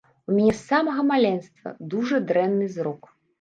У мяне з самага маленства дужа дрэнны зрок.